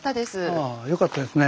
ああよかったですね。